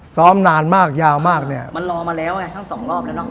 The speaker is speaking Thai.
ซ้อมนานมากยาวมากเนี่ยมันรอมาแล้วไงทั้งสองรอบแล้วเนาะ